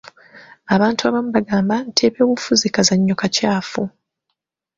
Abantu abamu bagamba nti ebyobufuzi kazannyo kakyafu.